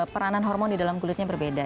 peranan hormon di dalam kulitnya berbeda